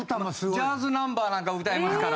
ジャズナンバーなんかを歌いますから。